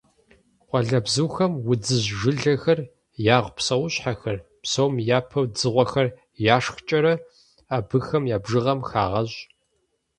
Къуалэбзухэм удзыжь жылэхэр, егъу псэущхьэхэр, псом япэу дзыгъуэхэр яшхкӀэрэ, абыхэм я бжыгъэм хагъэщӀ.